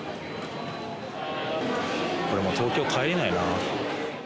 これ、もう東京帰れないな。